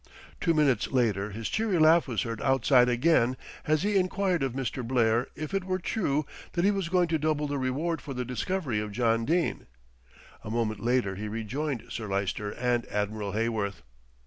Two minutes later his cheery laugh was heard outside again as he enquired of Mr. Blair if it were true that he was going to double the reward for the discovery of John Dene. A moment later he rejoined Sir Lyster and Admiral Heyworth.